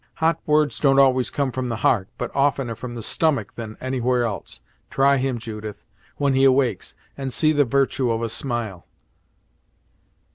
Hot words don't always come from the heart, but oftener from the stomach than anywhere else. Try him, Judith, when he awakes, and see the virtue of a smile."